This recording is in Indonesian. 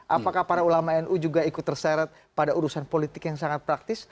apakah para ulama nu juga ikut terseret pada urusan politik yang sangat praktis